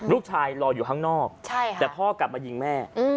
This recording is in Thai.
รออยู่ข้างนอกแต่พ่อกลับมายิงแม่